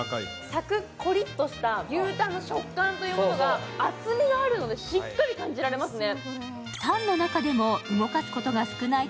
サクコリとした牛たんの食感というものが厚みがあるのでしっかり感じられますね。